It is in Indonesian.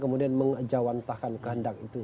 kemudian mengejawantahkan kehendak itu